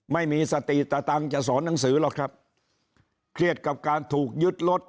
ไม่มีสติตะตังค์จะสอนหนังสือหรอกครับเครียดกับการถูกยึดรถ